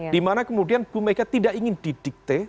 dimana kemudian bumega tidak ingin di dikte